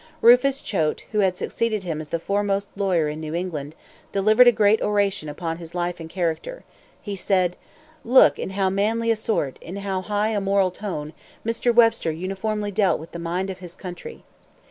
Rufus Choate, who had succeeded him as the foremost lawyer in New England, delivered a great oration upon his life and character. He said: "Look in how manly a sort, in how high a moral tone, Mr. Webster uniformly dealt with the mind of his country.